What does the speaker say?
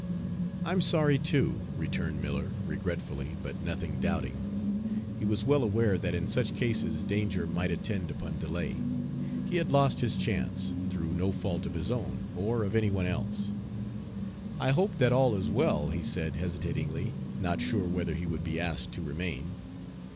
"I'm sorry too," returned Miller, regretfully, but nothing doubting. He was well aware that in such cases danger might attend upon delay. He had lost his chance, through no fault of his own or of any one else. "I hope that all is well?" he said, hesitatingly, not sure whether he would be asked to remain.